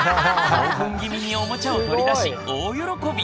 興奮気味におもちゃを取り出し大喜び！